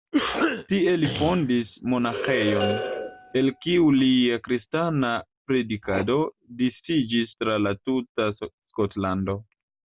Tie li fondis monaĥejon, el kiu lia kristana predikado disiĝis tra la tuta Skotlando.